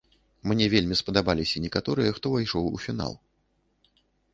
Мне вельмі спадабаліся некаторыя, хто ўвайшоў у фінал.